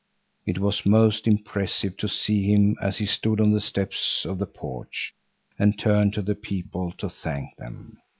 It was most impressive to see him, as he stood on the steps of the porch and turned to the people to thank them.